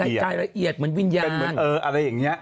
เป็นกายละเอียดเหมือนวิญญาณ